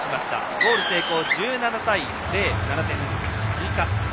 ゴール成功、１７対１０と７点追加。